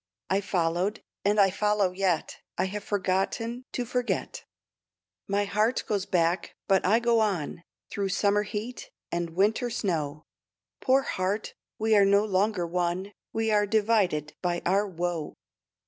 I followed, and I follow yet, I have forgotten to forget. My heart goes back, but I go on, Through summer heat and winter snow; Poor heart, we are no longer one, We are divided by our woe.